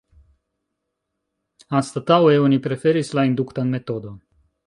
Anstataŭe oni preferis la induktan metodon.